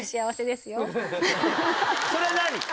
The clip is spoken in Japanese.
それは何？